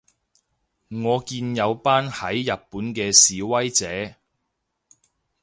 我見有班喺日本嘅示威者